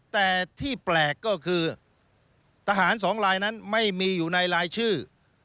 แต่ที่แปลกก็คือทหารสองลายนั้นไม่มีอยู่ในรายชื่อ